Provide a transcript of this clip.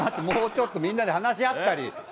もうちょっとみんなで話し合ったり。